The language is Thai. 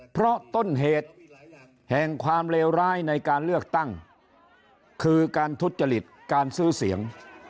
เพราะต้นเหตุแห่งความเลวร้ายในการเลือกตั้งคือการทุจริตการซื้อเสียง